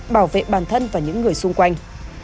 bảo vệ bản thân và những người xung quanh